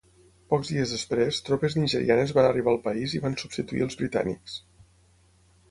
Pocs dies després tropes nigerianes van arribar al país i van substituir als britànics.